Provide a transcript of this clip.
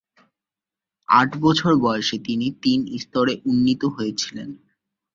আট বছর বয়সে তিনি তিন স্তরে উন্নীত হয়েছিলেন।